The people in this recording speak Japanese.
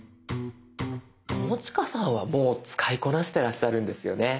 友近さんはもう使いこなしてらっしゃるんですよね？